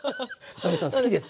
奈実さん好きです。